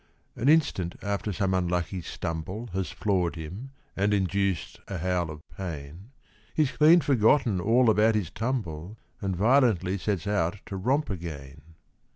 An instant after some unlucky stumble Has floored him and induced a howl of pain, He's clean forgotten all about his tumble And violently sets out to romp again.